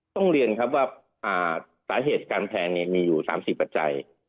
ต้องเรียนครับว่าสาเหตุการแทงมีอยู่๓๐ปัจจัย